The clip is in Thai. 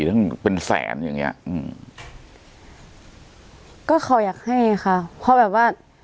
ตั้งเป็นแสนอย่างเงี้ยอืมก็เขาอยากให้ค่ะเพราะแบบว่า